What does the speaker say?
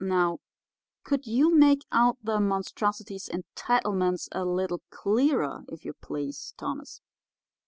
Now, could you make out the monstrosity's entitlements a little clearer, if you please, Thomas?